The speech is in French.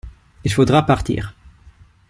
Il faudra partir.